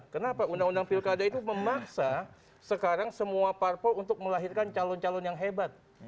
kenapa undang undang pilkada itu memaksa sekarang semua parpol untuk melahirkan calon calon yang hebat